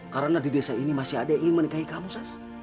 karena di desa ini masih ada yang ingin menikahi kamu sas